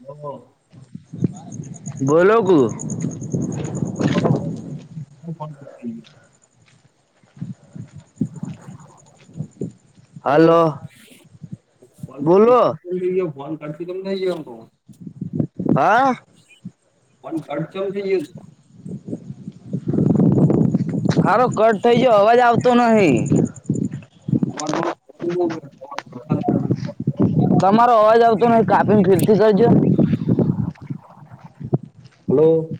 હ [inaudible] બોલો ગુ. બરોબર હ ફોન [inaudible] કર હલો [inaudible] ફોન કર બોલો તને થઈ જ એમ તો હા. ફોન કટ ચમ થઈ જ્યો હારો કટ થઇ જયો અવાજ આવતો નહિ. [unintelligible] [inaudible] તમારો અવાજ આવતો ન કાપીને ફીરથી કરજો. હલો.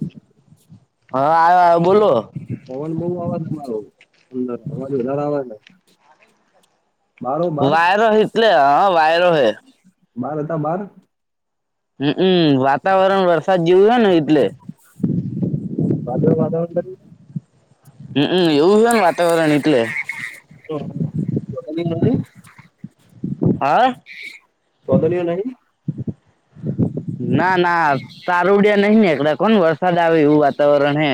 હા આયો આયો બોલો. પવન બહુ આવે તમારું અંદરજ વધારે આવે ને. વાયરો હે એટલે હ હ વાયરો હે. બાર હતા બાર. હ હમ વાતાવરણ વરસાદ જેવું હોય ને એટલે. વાદળો [unintelligible] હઅ એવું હે ને વાતાવરણ એટલે. [unintelligible] [inaudible] હા. ચોદલીઓ નહીં ના ના તારુડિયા નહી નેકળ્યા કોન વરસાદ આવે એવું વાતાવરણ હે.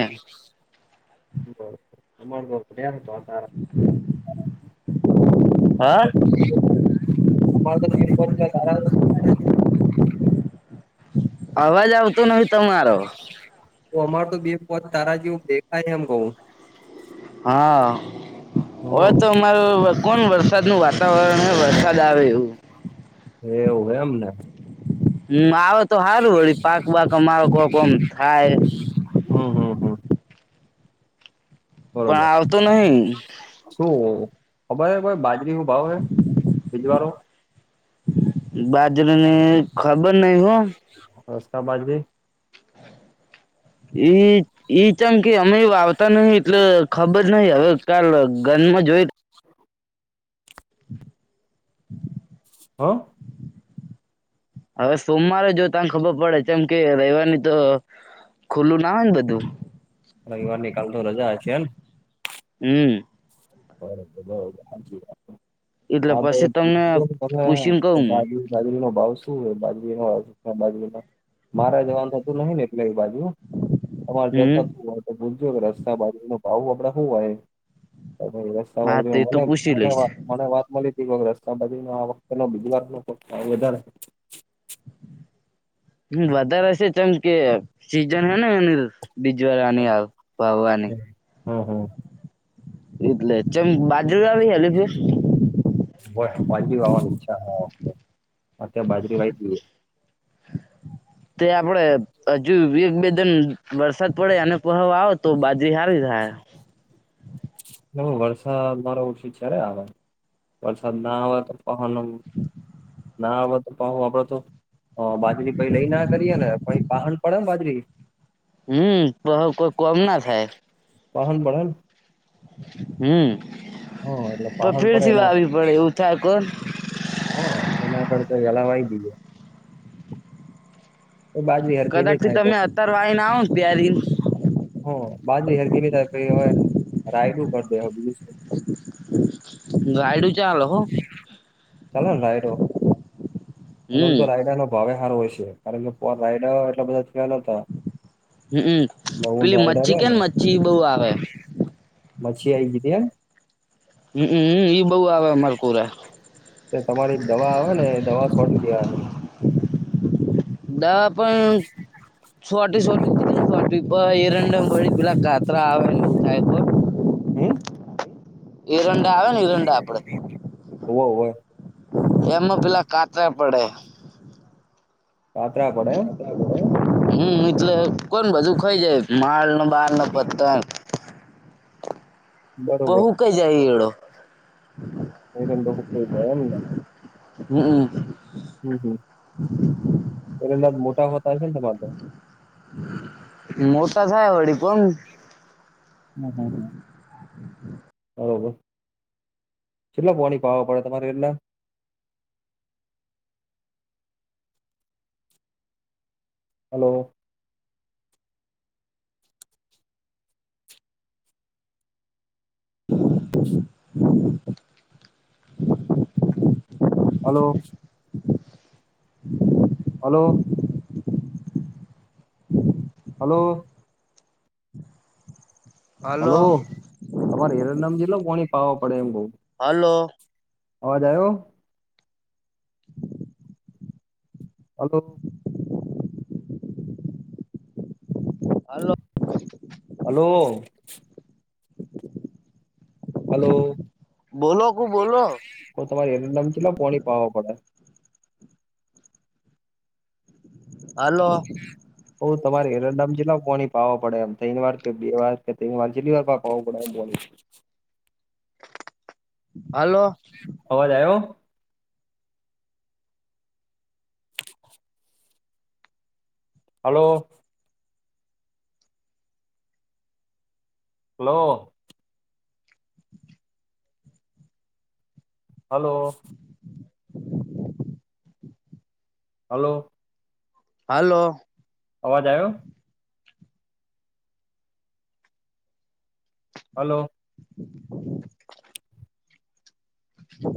[inaudible] [unintelligible] હા? અમારે તો [unintelligible] અવાજ આવતો નહિ તમારો. તો અમાર તો બે પોચ તારા જેવું દેખાય એમ કઉ. હા, હોય હમ તો અમારું કોણ વરસાદ નું વાત વરણ વરસાદ આવે એવું. એ એવું એમને? હમ આવે તો સારું વળી પાક વાક અમારો કો કોમ થાય. હમ હમ હમ. પણ બરોબર આવતો નહી. શું ખબર છે કોઈ બાજરી ન ભાવ હે? [unintelligible] બાજરો ને ખબર નઈ હો. [inaudible] [unintelligible] ઈ ચમ કે અમે વાવતા નહ એટલે ખબર જ નહિ હવે. કાલ ગંદમાં જોઈ [inaudible] હા. હવે સોમવારે જો તને ખબર પડે છેમ કે રાઇવારની તો ખુલ્લું ના હોય ને બધું. રવિવાર ની કાલ તો રજા છે ને. હમ. બરોબર બરોબર હાચી વાત એટલે પછી તમને પૂછીને કઉ હું [unintelligible] બાજરી નો ભાવ શું હો બાજરી ન બાજરી ન મારા જવાનુંતું નઈ ને લઈ બાજુ તમારે જું હમ હોય તો ભૂલજો કે રસ્તા બાજુ ન ભાવું આપડે શું હોય રસ્તાજ હા તે તો મને પૂછી મને લઈશ વાત મને વાત મળી રસ્તા બાજ ન આ વખત બીજી વાત ન વધારે. હ વધારે હ છેમ કે સીઝન હેને એની. બીજ વાર આની આવ છે. ભાવની. હમ હમ એટલે ચમ બાજુ [unintelligible] બ બાજરી વાવાછા [inaudible] બાજરી વાઈતી. તે આપડે હજુ એક બે દણ વરસાદ પડે અને પહ આવે તો બાજરી સારી થાય. હ વરસાદ મારો ઓછી જ્યારે આવે વરસાદ ના આવે તો [inaudible] ના આપડ તો પહુ આપડ તો હ બાજરી પઈ લઈ ના કરીએ ને પ પાહડ પડે ને બાજરી. હમ તો કોઈ કોમ ના થાય પાહન પન [inaudible] હમ હા એટલે તો પાહન પડે ફેરથી એના વાવી પડે એવું થાય કોણ હ ચ ના કરડતા જલા વાઈદી છે એ બાજબ હારથી કદાચ નહી થી થાય તો તમે અત્યાર વાઈને આવો ને પ્યારી હા [unintelligible] ગાયડું ચાલ હો. ચલો [unintelligible] અ હમ તો રાાયડા નો ભાવે સારો હોય છે કારણ કે રાાયડા એટલા બધા થિયા નથી. હમ પેલી રાયડા મચ્છી રહ્યા કેને ને મચ્છી બહ આવે. માછી આઈગી તી એમ? હમમમ ઈ બઉુ આવે માર કોરે. એ તમારી દવા આવે ને દવા છોંટી દેવાની દાવા પણ છોટી સોટી એરંડમ વડી પેલા કાતરા આવે જાય તો [inaudible] હરંડા આવે ને એરંડા આપડે હોવે હોવે એમાં પેલા કાતરા પડે [inaudible] હમ મટલે કોન બાજુખાય છે માળ નાને બળ ના પતંગ એમ બરોબર બહુ કઈ જાય એડો એરેો હુપુંઈધ એને હમમ હમ હમ એના મોટા હોતા છે ને વા તો મોટા થાય વળી પણ હમ હમ હમ બરોબર છેટલા પાણી પાવા પડે તમારે એટલા હલો હ હ હલો હલો હલો હલો તમારે હેર નામ જેટલો કોની પાાવવા પડે એમ બઉ હાલો અવાજ આવ્યો [inaudible] હલો હાલો હલો હલો બોલો ક બોલો હ તમારે એડમચલો કોણી પાાવો પડે હાલો હ તમારે હરડડાામ જેટલા કોની પાવા પડે એમ ત વાર કે બે વાર કે વાર છેટલી વાર હ બ બોલ હાલો અવાજ આવ્યો hello hello hello hello hello અવાજ આવ્યો હલો હમ